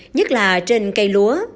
nhất là trên cây lúa